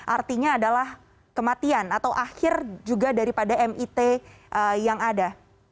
artinya adalah kematian atau akhir juga daripada mit yang ada